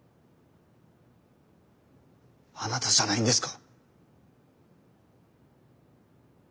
あなたじゃないんですか？